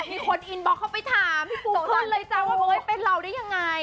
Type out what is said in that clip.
มีคนอินบล็อกเข้าไปถามพี่ปูต่างว่าเป็นเราได้ยังไง